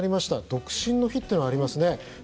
独身の日というのがありますね。